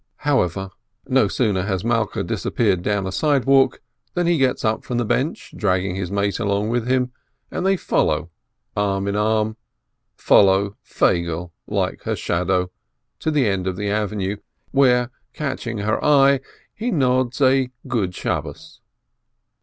However, no sooner has Malkeh disappeared down a sidewalk, than he gets up from the bench, dragging his mate along with him, and they follow, arm in arm, follow Feigele like her shadow, to the end of the avenue, where, catching her eye, he nods a "Good Sabbath!"